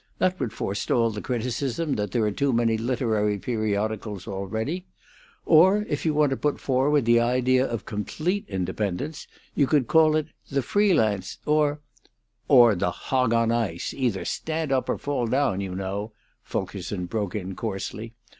That would forestall the criticism that there are too many literary periodicals already. Or, if you want to put forward the idea of complete independence, you could call it 'The Free Lance'; or " "Or 'The Hog on Ice' either stand up or fall down, you know," Fulkerson broke in coarsely.